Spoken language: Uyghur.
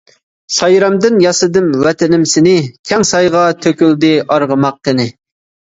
سايرامدىن ياسىدىم ۋەتىنىم سېنى كەڭسايغا تۆكۈلدى ئارغىماق قېنى.